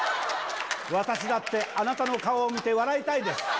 私だって、あなたの顔を見て、笑いたいです。